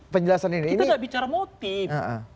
penjelasan ini kita tidak bicara motif